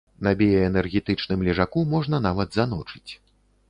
На біяэнергетычным лежаку можна нават заночыць.